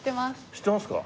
知ってますか？